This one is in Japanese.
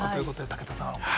武田さん。